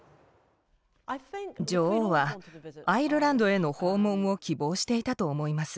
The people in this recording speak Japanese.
女王はアイルランドへの訪問を希望していたと思います。